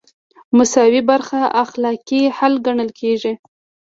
مساوي برخه اخلاقي حل ګڼل کیږي.